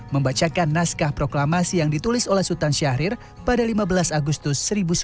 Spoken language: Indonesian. membacakan naskah proklamasi yang ditulis oleh sultan syahrir pada lima belas agustus seribu sembilan ratus empat puluh lima